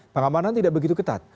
pengamanan tidak begitu ketat